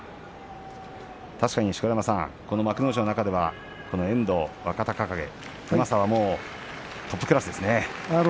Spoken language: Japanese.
確かに錣山さん、幕内の中では遠藤、若隆景うまさはトップクラスですね。